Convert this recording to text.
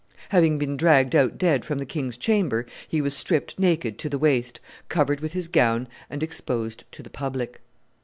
Having been dragged out dead from the king's chamber, he was stripped naked to the waist, covered with his gown and exposed to the public."